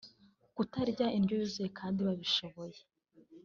kutarya indyo yuzuye kandi babishoboye